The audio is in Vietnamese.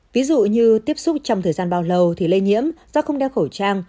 ví dụ như tiếp xúc trong thời gian bao lâu thì lây nhiễm do không đeo khẩu trang